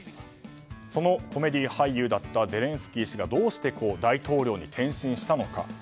そのコメディー俳優だったゼレンスキー氏がどうして大統領に転身したのか。